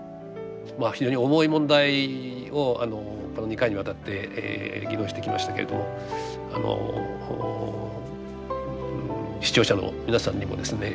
非常に重い問題をこの２回にわたって議論してきましたけれども視聴者の皆さんにもですね